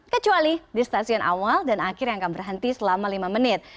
kecuali di stasiun awal dan akhir yang akan berhenti selama lima menit